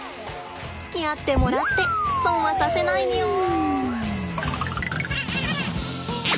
つきあってもらって損はさせないみょん。